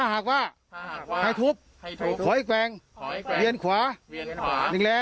เร็วกว่านี้เร็วขึ้นอีกเร็วขึ้นอีกถ้าช้าถ้าช้า